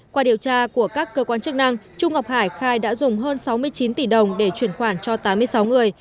qua điều tra của các cơ quan chức năng trung ngọc hải khai đã dùng hơn sáu mươi chín tỷ đồng để chuyển khoản cho tám mươi sáu người